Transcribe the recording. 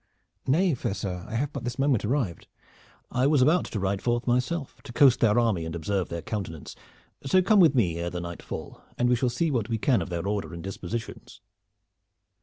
"Nay, fair sir, I have but this moment arrived." "I was about to ride forth myself to coast their army and observe their countenance, so come with me ere the night fall, and we shall see what we can of their order and dispositions."